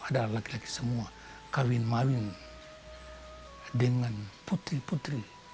ada laki laki semua kawin mawin dengan putri putri